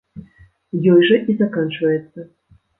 Ёй жа і заканчваецца.